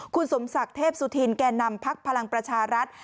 คุณสมศักดิ์เทพสุธินแก่นำพักพลังประชารัฐ